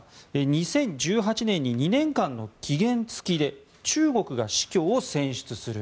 ２０１８年に２年間の期限付きで中国が司教を選出する。